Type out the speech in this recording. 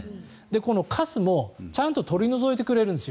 このかすも、ちゃんと取り除いてくれるんですよ。